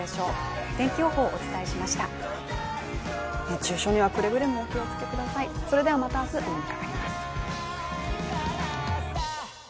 熱中症にはくれぐれもお気をつけください。